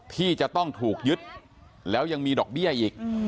ที่จะต้องถูกยึดแล้วยังมีดอกเบี้ยอีก